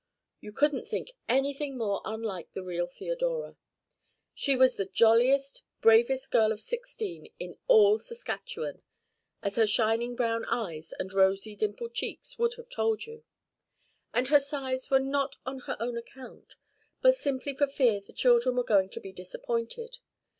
You couldn't think anything more unlike the real Theodora. She was the jolliest, bravest girl of sixteen in all Saskatchewan, as her shining brown eyes and rosy, dimpled cheeks would have told you; and her sighs were not on her own account, but simply for fear the children were going to be disappointed.